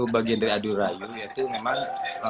bagian dari adu rayu yaitu memang